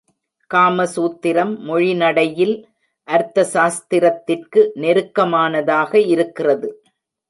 காமசூத்திரம் மொழிநடையில் அர்த்தசாஸ்த்திரத்திற்கு நெருக்கமானதாக இருக்கிறது.